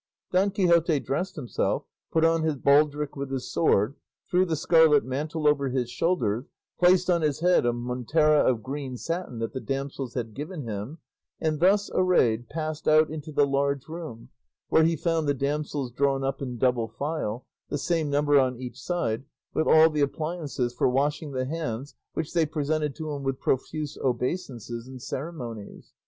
Don Quixote dressed himself, put on his baldric with his sword, threw the scarlet mantle over his shoulders, placed on his head a montera of green satin that the damsels had given him, and thus arrayed passed out into the large room, where he found the damsels drawn up in double file, the same number on each side, all with the appliances for washing the hands, which they presented to him with profuse obeisances and ceremonies.